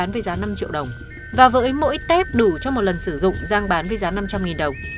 với giá năm triệu đồng và với mỗi tép đủ cho một lần sử dụng giang bán với giá năm trăm linh đồng